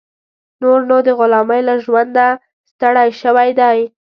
نور نو د غلامۍ له ژونده ستړی شوی دی.